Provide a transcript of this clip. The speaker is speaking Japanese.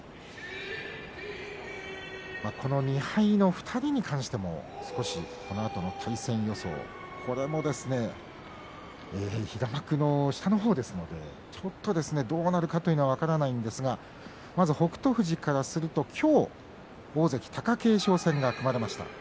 この２敗の２人に関してもこのあとの対戦予想これも平幕の下の方ですのでちょっとどうなるかというのは分からないんですがまず北勝富士からすると今日大関貴景勝戦が組まれました。